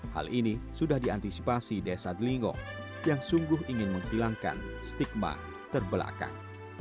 hal ini sudah diantisipasi desa delingo yang sungguh ingin menghilangkan stigma terbelakang